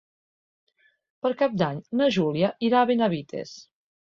Per Cap d'Any na Júlia irà a Benavites.